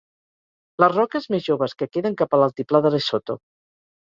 Les roques més joves que queden cap a l'altiplà de Lesotho.